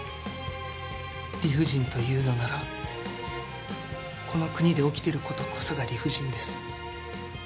理不尽というのならこの国で起きていることこそが理不尽です